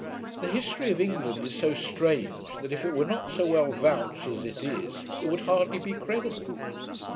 'The history of England is so strange, that, if it were not so well vouched as it is, it would hardly be credible.'